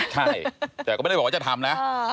ใช่แต่ก็ไม่ได้บอกว่าจะทำนะ